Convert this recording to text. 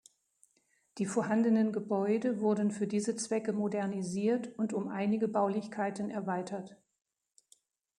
Die vorhandenen Gebäude wurden für diese Zwecke modernisiert und um einige Baulichkeiten erweitert.